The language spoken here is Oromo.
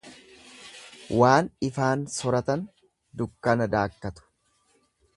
Waan ifaan soratan dukkana daakkatu.